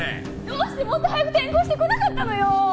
どうしてもっと早く転校してこなかったのよ！